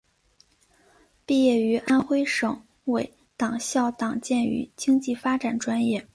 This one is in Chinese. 毕业于安徽省委党校党建与经济发展专业。